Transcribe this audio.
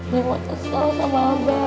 gue mau nyesel sama abah